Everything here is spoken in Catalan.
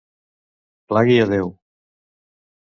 Plagui a Déu.